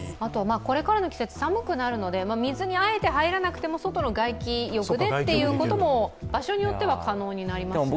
これからの季節、寒くなるので水にあえて入らなくても外の外気浴でということも場所によっては可能になりますね。